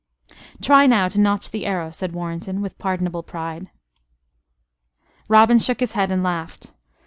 "Try now to notch the arrow," said Warrenton, with pardonable pride. Robin shook his head and laughed.